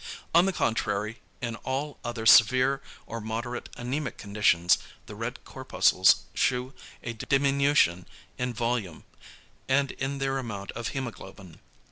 On the contrary in all other severe or moderate anæmic conditions, the red corpuscles shew a diminution in volume, and in their amount of hæmoglobin.